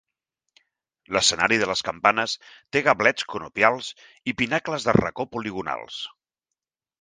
L'escenari de les campanes té gablets conopials i pinacles de racó poligonals.